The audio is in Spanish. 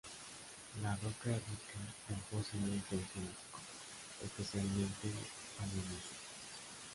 La roca es rica en fósiles del Jurásico, especialmente ammonites.